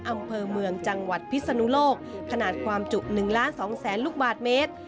อำเภอเมืองจังหวัดพิษณุโลกขนาดความจุ๑๒๐๐๐๐๐ลูกบาทเมตร